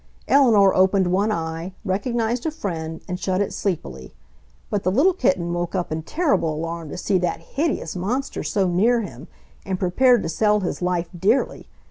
Eleanor opened one eye, recognized a friend, and shut it sleepily. But the little kitten woke up in terrible alarm to see that hideous monster so near him, and prepared to sell his life dearly.